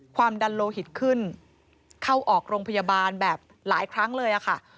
ความดันโลหิตขึ้นเข้าออกโรงพยาบาลแบบหลายครั้งเลยค่ะ